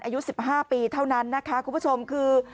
อายุ๑๕ปีเท่านั้นนะคะคุณผู้ชมคือ